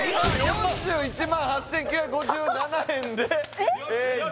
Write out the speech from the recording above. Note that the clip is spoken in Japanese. ４１万８９５７円で高っ！